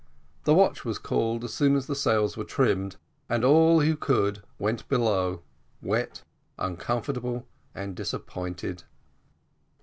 The watch was called as soon as the sails were trimmed, and all who could went below, wet, uncomfortable, and disappointed.